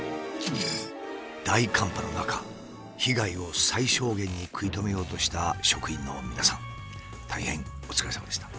大寒波の中被害を最小限に食い止めようとした職員の皆さん大変お疲れさまでした。